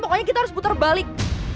pokoknya kita harus putar balik